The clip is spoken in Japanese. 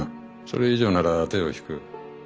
それ以上なら手を引く。